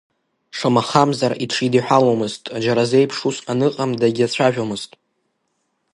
Шамахамзар, иҽидиҳәаломызт, џьара зеиԥш уск аныҟам дагьиацәажәомызт.